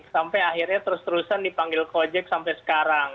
sampai akhirnya terus terusan dipanggil kojek sampai sekarang